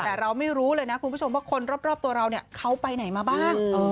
แต่เราไม่รู้เลยนะคุณผู้ชมว่าคนรอบตัวเราเนี่ยเขาไปไหนมาบ้าง